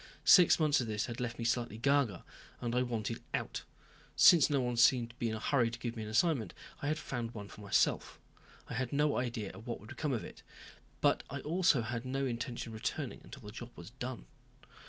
Six months of this had me slightly ga ga and I wanted out. Since no one seemed to be in a hurry to give me an assignment I had found one for myself. I had no idea of what would come if it, but I also had no intention of returning until the job was done.